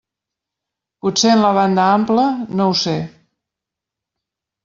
Potser en la banda ampla, no ho sé.